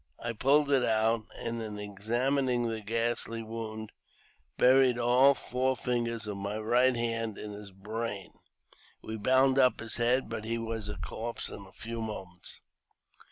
I pulled it out, and in examining the ghastly wound, buried all four fingers of my right hand in his brain. We bound up his head, but he was a corpse in a few moments.